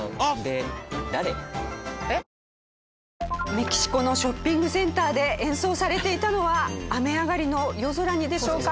メキシコのショッピングセンターで演奏されていたのは『雨あがりの夜空に』でしょうか？